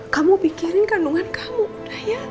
kamu pikirin kandungan kamu dah ya